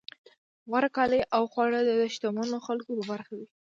غوره کالي او خواړه د شتمنو خلکو په برخه وي.